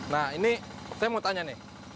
nah ini saya mau tanya nih